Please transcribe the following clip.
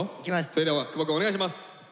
それでは久保くんお願いします。